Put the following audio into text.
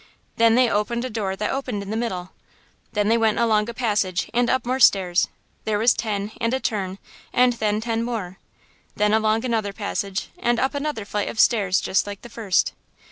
Then they opened a door that opened in the middle. Then they went along a passage and up more stairs–there was ten and a turn, and then ten more. Then along another passage, and up another flight of stairs just like the first.